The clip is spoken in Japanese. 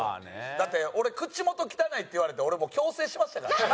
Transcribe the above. だって俺「口元汚い」って言われて俺もう矯正しましたからね。